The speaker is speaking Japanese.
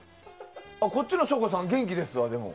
こっちの省吾さんは元気ですわ、でも。